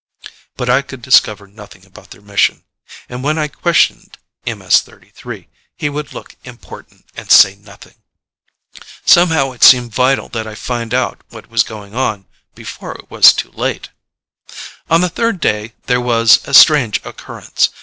But I could discover nothing about their mission. And when I questioned MS 33, he would look important and say nothing. Somehow it seemed vital that I find out what was going on before it was too late. On the third day there was a strange occurrence.